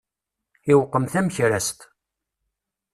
Iwqem tamekrast.